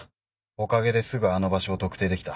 おかげですぐあの場所を特定できた。